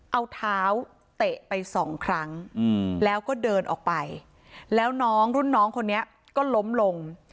เอาเท้าเตะไปสองครั้งแล้วก็เดินออกไปแล้วน้องรุ่นน้องคนนี้ก็ล้มลง